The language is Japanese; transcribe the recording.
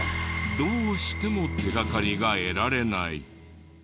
どうしても手がかりが得られない。